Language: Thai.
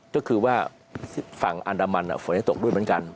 ก็คือว่าฝั่งอันดามันฝนจะตกด้วยเหมือนกัน